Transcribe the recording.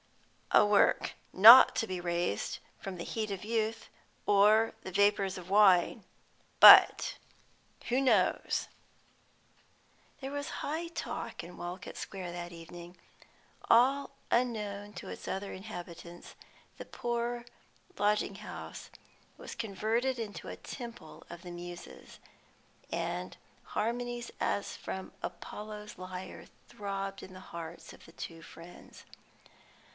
"A work not to be raised from the heat of youth, or the vapours of wine. But who knows?" There was high talk in Walcot Square that evening. All unknown to its other inhabitants, the poor lodging house was converted into a temple of the Muses, and harmonies as from Apollo's lyre throbbed in the hearts of the two friends.